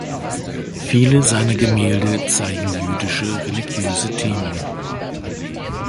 Viele seiner Gemälde zeigen jüdische religiöse Themen.